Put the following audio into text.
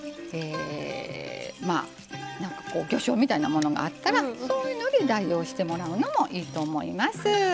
魚しょうみたいなものがあったらそういうので代用してもらうのもいいと思います。